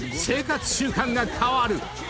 ［生活習慣が変わる］